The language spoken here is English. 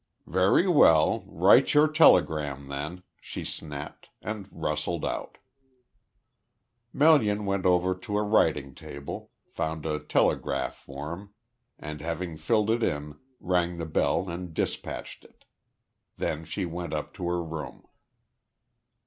"Very well, write your telegram then," she snapped, and rustled out. Melian went over to a writing table, found a telegraph form, and having filled it in, rang the bell and dispatched it. Then she went up to her room.